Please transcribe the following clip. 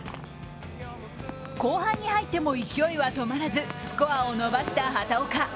後半に入っても勢いは止まらず、スコアを伸ばした畑岡。